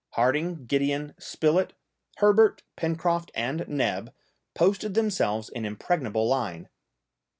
Harding, Gideon, Spilett, Herbert, Pencroft, and Neb posted themselves in impregnable line.